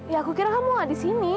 ya aku kira kamu gak di sini